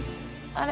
あれ？